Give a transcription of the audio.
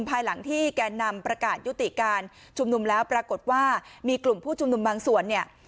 ภายหลังที่แกนนำประกาศยุติการชุมนุมแล้วปรากฏว่ามีกลุ่มผู้ชุมนุมบางส่วนเนี่ย